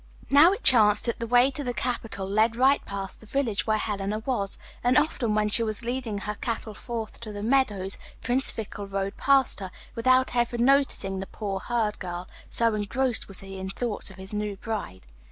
Now it chanced that the way to the capital led right past the village where Helena was, and often when she was leading her cattle forth to the meadows Prince Fickle rode past her, without ever noticing the poor herd girl, so engrossed was he in thoughts of his new bride.